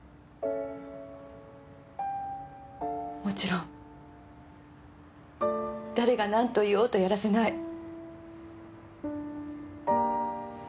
もちろん誰が何と言おうとやらせない。